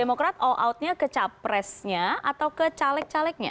demokrat all out nya ke capresnya atau ke caleg calegnya